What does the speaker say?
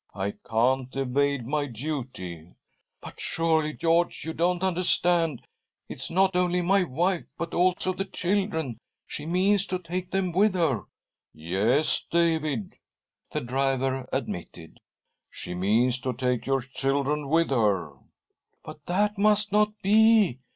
I can't evade my duty !"" But surely, George, you don't understand ; it's not only my. wife, but also the children. She means to take them with her !"" Yes, David," the driver admitted, " she means to take your children with her." ■ 1 «" But that must not be